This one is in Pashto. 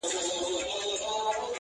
اوس بيا د ښار په ماځيگر كي جادو-